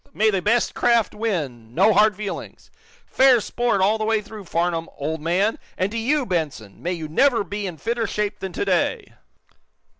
May the best craft win, no hard feelings! Fair sport all the way through, Farnum, old and to you, Benson may you never be in fitter shape than to day!"